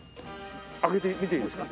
上げて見ていいですか？